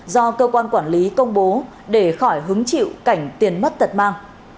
do cơ quan quản lý công bố để khỏi hứng chịu cảnh tiền mất tật mang